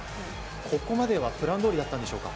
ここまではプランどおりだったんでしょうか。